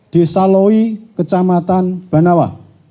desa loi kecamatan banawa